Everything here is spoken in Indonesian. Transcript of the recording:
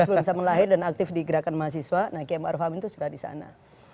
sebelum samen lahir dan aktif di gerakan mahasiswa nah kiai ma'ruw amin itu sudah di sana